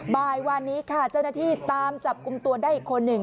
บ่ายวันนี้ค่ะเจ้าหน้าที่ตามจับกลุ่มตัวได้อีกคนหนึ่ง